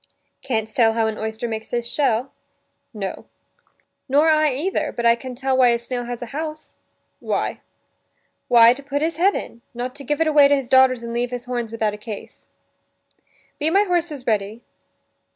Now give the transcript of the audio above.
"Canst tell how an oyster makes his shell?" "No." "Nor I either; but I can tell why a snail has a house." "Why?" "Why, to put his head in; not to give it away to his daughters and leave his horns without a case." " Be my horses ready?"